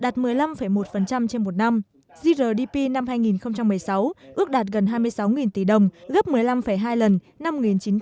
đạt một mươi năm một trên một năm grdp năm hai nghìn một mươi sáu ước đạt gần hai mươi sáu tỷ đồng gấp một mươi năm hai lần năm một nghìn chín trăm bảy mươi